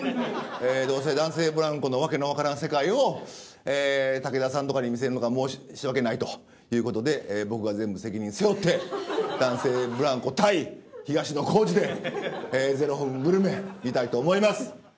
どうせ、男性ブランコの訳の分からん世界を武田さんとかに見せるのが申し訳ないということで僕が全部責任を背負って男性ブランコ対東野幸治で０分グルメ、見たいと思います。